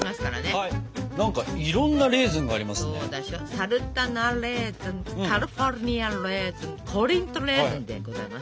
サルタナレーズンカリフォルニアレーズンコリントレーズンでございます。